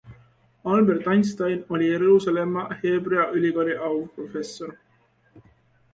Albert Einstein oli Jeruusalemma Heebrea ülikooli auprofessor.